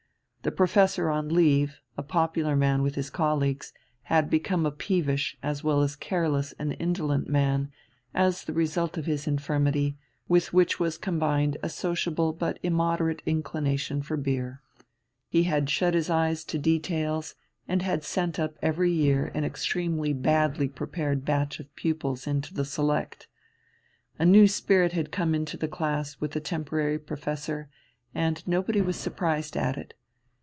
The professor on leave, a popular man with his colleagues, had become a peevish as well as careless and indolent man as the result of his infirmity, with which was combined a sociable but immoderate inclination for beer. He had shut his eyes to details and had sent up every year an extremely badly prepared batch of pupils into the Select. A new spirit had come into the class with the temporary professor, and nobody was surprised at it.